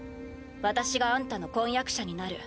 私があんたの婚約者になる。